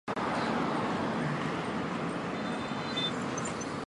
拿撒勒人耶稣是基督教的中心人物。